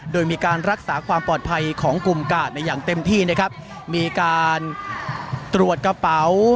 โดยมีการรักษาความปลอดภัยของกลุ่มกาดได้อย่างเต็มที่นะครับมีการตรวจกระเป๋า